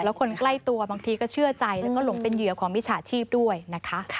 แล้วคนใกล้ตัวบางทีก็เชื่อใจแล้วก็หลงเป็นเหยื่อของมิจฉาชีพด้วยนะคะ